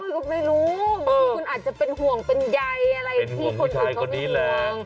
ก็ไม่รู้คุณอาจจะเป็นห่วงเป็นใยอะไรอย่างที่คนอื่นก็ไม่ห่วง